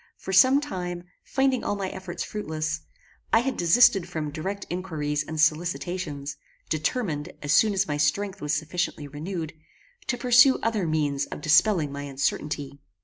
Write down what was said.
For some time, finding all my efforts fruitless, I had desisted from direct inquiries and solicitations, determined, as soon as my strength was sufficiently renewed, to pursue other means of dispelling my uncertainty.